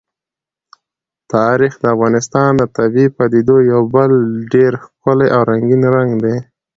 تاریخ د افغانستان د طبیعي پدیدو یو بل ډېر ښکلی او رنګین رنګ دی.